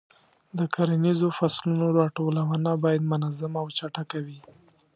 د کرنیزو فصلونو راټولونه باید منظمه او چټکه وي.